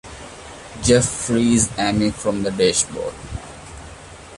Jeff frees Amy from the dashboard.